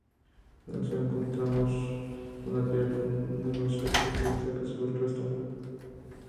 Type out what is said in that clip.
En el suelo encontramos una piedra con una roseta que destaca sobre el resto.